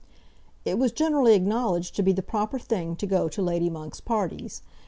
It was generally acknowledged to be the proper thing to go to Lady Monk's parties.